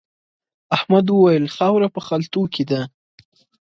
احمد وويل: خاوره په خلتو کې ده.